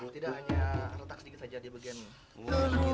tidak hanya retak sedikit saja di bagian mulut